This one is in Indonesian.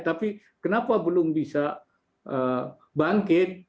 tapi kenapa belum bisa bangkit